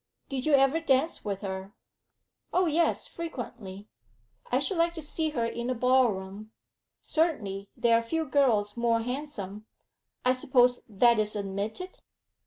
Did you ever dance with her?' 'Oh, yes; frequently.' 'I should like to see her in a ball room. Certainly there are few girls more handsome; I suppose that is admitted?'